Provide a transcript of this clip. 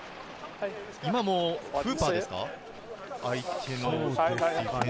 今もフーパーですかね。